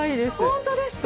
本当ですか。